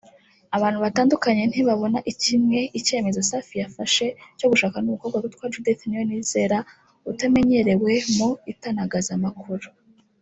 Abantu batandukanye ntibabona kimwe icyemezo Safi yafashe cyo gushakana n’ umukobwa witwa Judith Niyonizera utamenyerewe mu itanagazamakuru